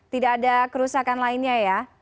tidak ada kerusakan lainnya ya